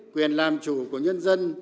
quyền làm chủ của nhân dân